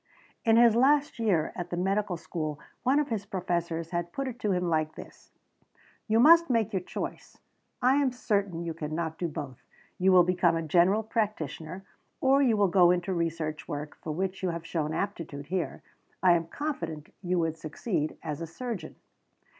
In his last year at the medical school one of his professors had put it to him like this: "You must make your choice. It is certain you can not do both. You will become a general practitioner, or you will go into the research work for which you have shown aptitude here. I am confident you would succeed as a surgeon.